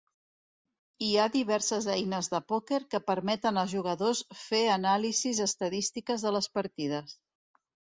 Hi ha diverses eines de pòquer que permeten als jugadors fer anàlisis estadístiques de les partides.